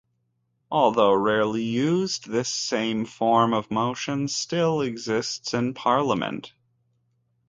Although rarely used, this same form of the motion still exists in parliament.